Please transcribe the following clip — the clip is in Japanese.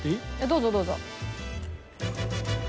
どうぞどうぞ。